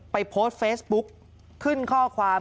โพสต์เฟซบุ๊กขึ้นข้อความ